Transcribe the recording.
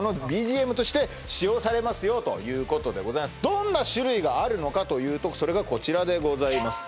どんな種類があるのかというとそれがこちらでございます